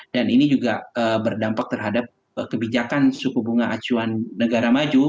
dan ini juga berdampak terhadap kebijakan suku bunga acuan negara maju